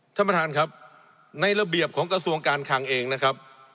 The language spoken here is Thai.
ท่านประธานครับในระเบียบของกระทรวงการคังเองนะครับ